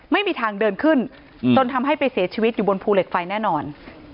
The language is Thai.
ไม่มีทางเดินขึ้นจนทำให้ไปเสียชีวิตอยู่บนภูเหล็กไฟแน่นอน